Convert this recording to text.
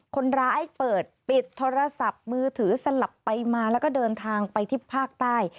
คนร้ายเปิดปิดโทรศัพท์มือถือสลับไปมาแล้วก็เดินทางไปที่ภาคใต้